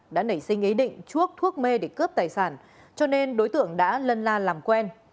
đã nảy sinh ý định chuốc thuốc mê để cướp tài sản cho nên đối tượng đã lân la làm quen